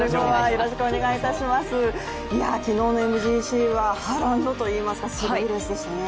いや、昨日のＭＧＣは波乱といいますかすごいレースでしたね。